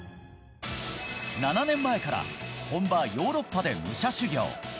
７年前から本場ヨーロッパで武者修行。